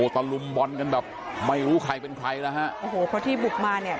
ตะลุมบอลกันแบบไม่รู้ใครเป็นใครแล้วฮะโอ้โหเพราะที่บุกมาเนี่ย